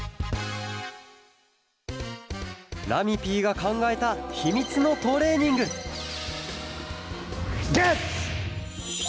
ラミＰがかんがえたひみつのトレーニングゲッツ！